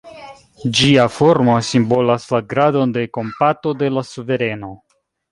Ĝia formo simbolas la gradon de kompato de la suvereno.